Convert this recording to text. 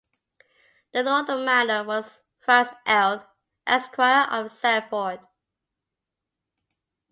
The lord of the manor was Francis Eld, Esquire of Seighford.